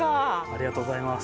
ありがとうございます。